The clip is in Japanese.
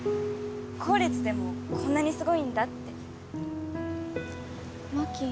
後列でもこんなにすごいんだって